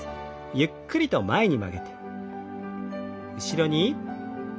ゆっくりと前に曲げて。